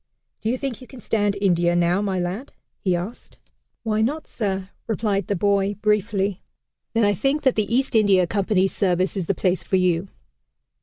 "Do you think you can stand India, now, my lad?" he asked. "Why not, sir?" replied the boy briefly. "Then I think that the East India Company's service is the place for you."